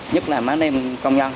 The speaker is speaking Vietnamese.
nhất là mấy anh em công nhân